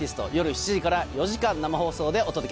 ７時から４時間生放送でお届け。